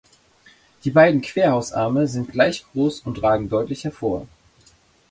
Die beiden Querhausarme sind gleich groß und ragen deutlich hervor.